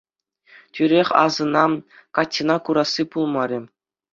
Тӳрех асӑнам, Катьӑна курасси пулмарӗ.